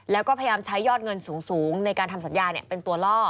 แล้วก็พยายามใช้ยอดเงินสูงในการทำสัญญาเป็นตัวล่อ